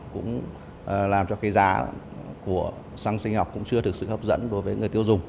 cũng làm cho cái giá của xăng sinh học cũng chưa thực sự hấp dẫn đối với người tiêu dùng